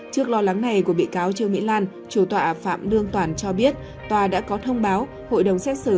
trước lo lắng này của bị cáo trương mỹ lan chủ tọa phạm đương toàn cho biết tòa đã có thông báo hội đồng xét xử